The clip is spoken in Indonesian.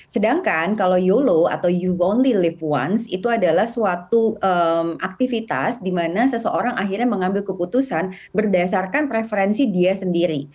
sedangkan kalau yolo atau you only live once itu adalah suatu aktivitas dimana seseorang akhirnya mengambil keputusan berdasarkan preferensi dia sendiri